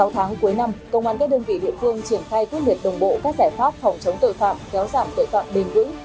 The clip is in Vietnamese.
sáu tháng cuối năm công an các đơn vị địa phương triển khai quyết liệt đồng bộ các giải pháp phòng chống tội phạm kéo giảm tội phạm bền vững